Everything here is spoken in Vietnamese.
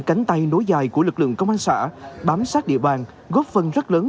cánh tay nối dài của lực lượng công an xã bám sát địa bàn góp phần rất lớn